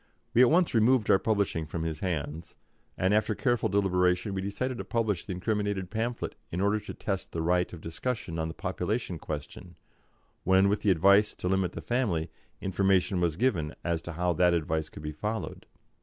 We at once removed our publishing from his hands, and after careful deliberation we decided to publish the incriminated pamphlet in order to test the right of discussion on the population question, when, with the advice to limit the family, information was given as to how that advice could be followed.